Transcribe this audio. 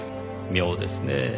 妙ですねぇ。